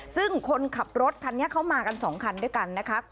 ซึ่งคนขับรถคันนี้เข้ามากัน๒คันด้วยกันนะคะ